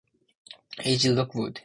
E. J. Lockwood.